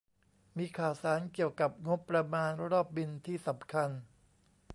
มีข่าวสารเกี่ยวกับงบประมาณรอบบิลที่สำคัญ